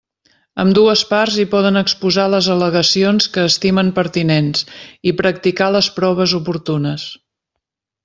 Ambdues parts hi poden exposar les al·legacions que estimen pertinents i practicar les proves oportunes.